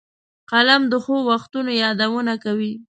قلم د ښو وختونو یادونه کوي